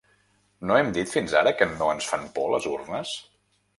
No hem dit fins ara que no ens fan por les urnes?